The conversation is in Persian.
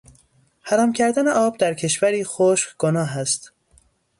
حرام کردن آب در کشوری خشک گناه است.